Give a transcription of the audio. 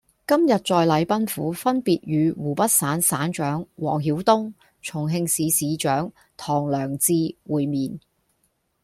今日在禮賓府分別與湖北省省長王曉東、重慶市市長唐良智會面